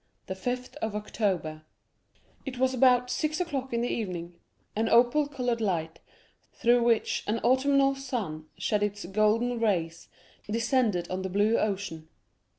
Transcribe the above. The Fifth of October It was about six o'clock in the evening; an opal colored light, through which an autumnal sun shed its golden rays, descended on the blue ocean.